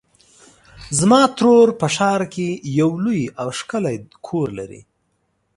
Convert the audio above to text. زما ترور په ښار کې یو لوی او ښکلی کور لري.